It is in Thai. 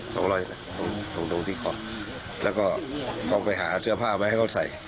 สองรอยตรงที่เกาะแล้วก็ต้องไปหาเสื้อผ้าไว้ให้เขาใส่